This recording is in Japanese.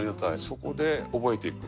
そこで覚えていく。